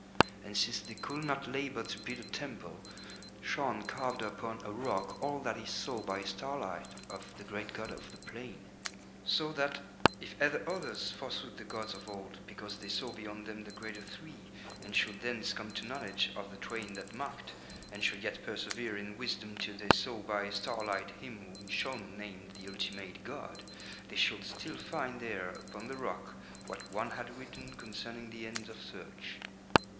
And since they could not labour to build a temple, Shaun carved upon a rock all that he saw by starlight of the great god of the plain; so that if ever others forsook the gods of Old because they saw beyond them the Greater Three, and should thence come to knowledge of the Twain that mocked, and should yet persevere in wisdom till they saw by starlight him whom Shaun named the Ultimate god, they should still find there upon the rock what one had written concerning the end of search.